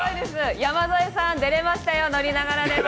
山添さん、出れましたよ、乗りながらも。